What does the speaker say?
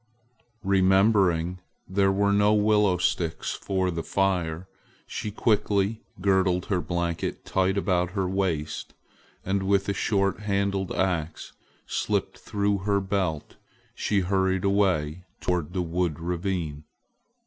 Remembering there were no willow sticks for the fire, she quickly girdled her blanket tight about her waist, and with a short handled ax slipped through her belt, she hurried away toward the wooded ravine.